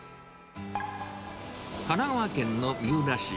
神奈川県の三浦市。